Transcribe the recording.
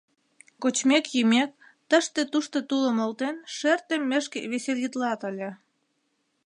Кочмек-йӱмек, тыште-тушто тулым олтен шер теммешке веселитлат ыле.